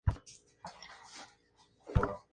Sus dedos y brazos son largos, ágiles y fuertes.